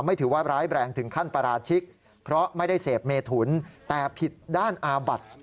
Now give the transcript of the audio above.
ไม่ถือว่าร้ายแรงถึงขั้นปราชิกเพราะไม่ได้เสพเมถุนแต่ผิดด้านอาบัติ